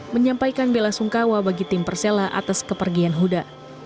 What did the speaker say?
menyampaikan bela sungkawa bagi tim persela atas kepergian huda